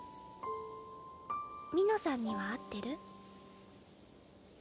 ミノさんには会ってる？